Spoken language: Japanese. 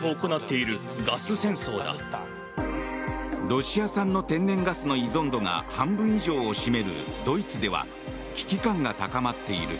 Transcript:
ロシア産の天然ガスの依存度が半分以上を占めるドイツでは危機感が高まっている。